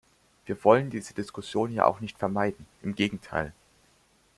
Wir wollen diese Diskussion ja auch nicht vermeiden, im Gegenteil!